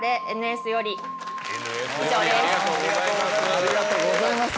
ありがとうございます。